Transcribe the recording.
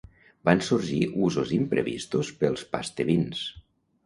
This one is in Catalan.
Van sorgir usos imprevistos pels "pastebins".